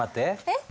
えっ？